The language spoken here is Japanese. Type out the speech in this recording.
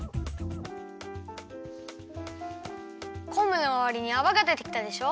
こんぶのまわりにあわがでてきたでしょ？